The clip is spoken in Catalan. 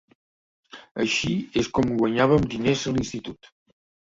Així és com guanyàvem diners a l'institut.